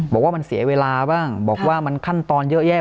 บอกว่ามันเสียเวลาบ้างบอกว่ามันขั้นตอนเยอะแยะ